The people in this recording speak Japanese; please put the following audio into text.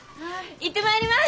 行ってまいります！